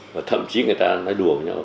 và thậm chí người ta nói đùa với nhau